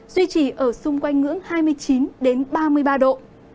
duy trì ở xung quanh ngưỡng hai mươi chín ba mươi ba độ